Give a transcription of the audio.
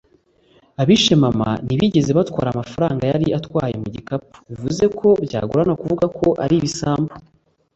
Abishe mama ntibigeze batwara amafaranga yari atwaye mu gikapu bivuze ko byagorana kuvuga ko ari ibisambo